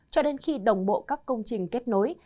cho đến khi đồng bộ các công trình kết nối